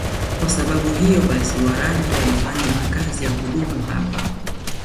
Kwa sababu hiyo basi Warangi walifanya makazi ya kudumu hapa